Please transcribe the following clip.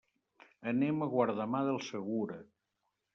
Anem a Guardamar del Segura.